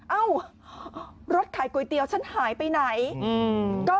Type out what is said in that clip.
เอ้ารถขายก๋วยเตี๋ยวฉันหายไปไหน